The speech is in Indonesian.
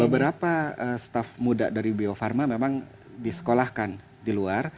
beberapa staff muda dari biofarma memang disekolahkan di luar